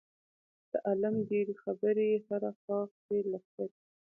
د عالم ډېرې خبرې هره خوا خورې لښکرې.